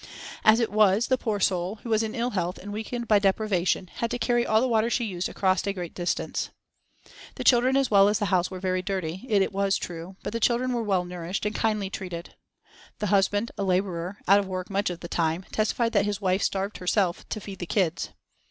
As it was the poor soul, who was in ill health and weakened by deprivation, had to carry all the water she used across a great distance. The children as well as the house were very dirty, it was true, but the children were well nourished and kindly treated. The husband, a labourer, out of work much of the time, testified that his wife "starved herself to feed the kids."